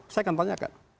saya akan tanyakan